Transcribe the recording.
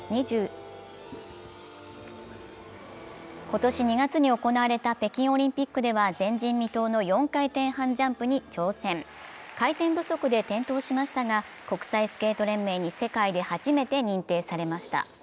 今年２月に行われた北京オリンピックでは前人未到の４回転半ジャンプに挑戦回転不足で転倒しましたが国際スケート連盟に世界で初めて認定されました。